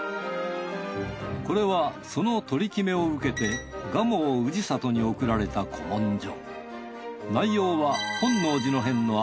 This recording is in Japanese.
これはその取り決めを受けて蒲生氏郷に送られた古文書。